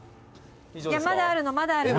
矢田：「まだあるのまだあるの」